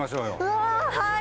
うわっはい。